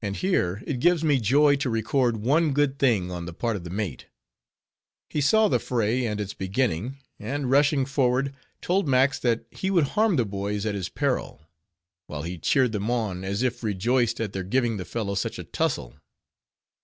And here it gives me joy to record one good thing on the part of the mate. He saw the fray, and its beginning; and rushing forward, told Max that he would harm the boys at his peril; while he cheered them on, as if rejoiced at their giving the fellow such a tussle.